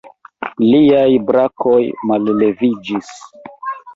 Liaj brakoj malleviĝis.